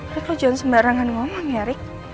rik lo jangan sembarangan ngomong ya rik